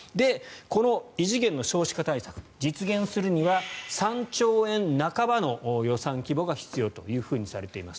この異次元の少子化対策実現するには３兆円半ばの予算規模が必要とされています。